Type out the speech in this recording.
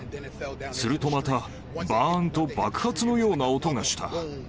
するとまた、ばーんと爆発のような音がした。